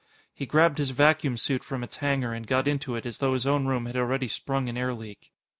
He grabbed his vacuum suit from its hanger and got into it as though his own room had already sprung an air leak.